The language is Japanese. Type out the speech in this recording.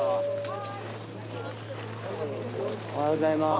おはようございます。